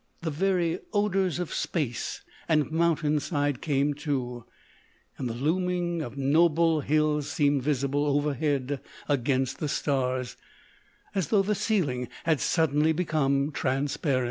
The very odours of space and mountain side came too, and the looming of noble hills seemed visible overhead against the stars, as though the ceiling had suddenly become transparent.